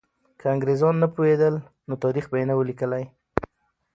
که انګریزان نه پوهېدل، نو تاریخ به یې نه وو لیکلی.